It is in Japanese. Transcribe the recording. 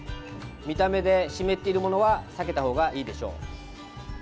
見た目で湿っているものは避けたほうがいいでしょう。